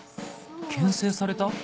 牽制された？